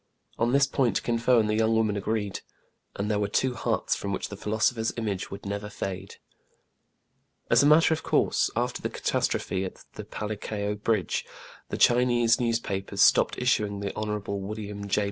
On this point Kin Fo and the young woman agreed ; and there were two hearts from which the philosopher's image would never fade. As a matter of course, after the catastrophe at the Palikao bridge, the Chinese newspapers stopped issuing the Hon. William J.